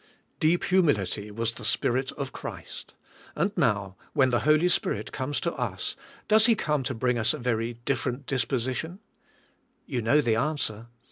Deep humility was the Spirit of Christ, and now when the Holy Spirit comes to us does He come to bring us a very different disposition? You know the answer.